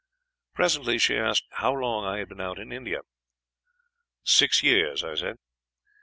Presently she asked how long I had been out in India? "'Six years,' I said.